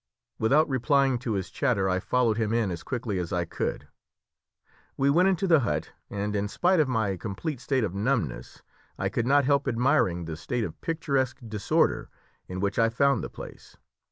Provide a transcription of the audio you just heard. Without replying to his chatter I followed him in as quickly as I could. We went into the hut, and in spite of my complete state of numbness, I could not help admiring the state of picturesque disorder in which I found the place.